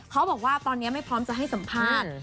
เขาบอกว่าตอนนี้ไม่พร้อมจะให้สัมภาษณ์